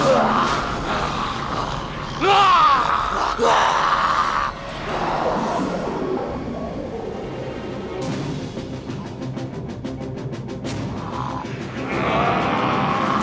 san san datang